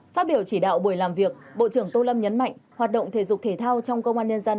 phát biểu chỉ đạo buổi làm việc bộ trưởng tô lâm nhấn mạnh hoạt động thể dục thể thao trong công an nhân dân